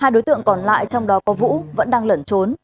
hai đối tượng còn lại trong đó có vũ vẫn đang lẩn trốn